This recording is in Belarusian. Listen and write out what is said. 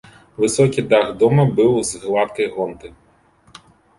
Высокі дах дома быў з гладкай гонты.